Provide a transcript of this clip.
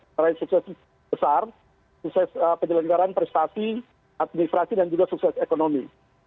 meraih sukses besar sukses penyelenggaran prestasi administrasi dan juga sukses ekonomi